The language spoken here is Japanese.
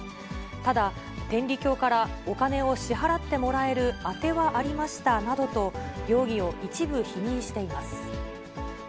ただ、天理教からお金を支払ってもらえる当てはありましたなどと、容疑を一部否認しています。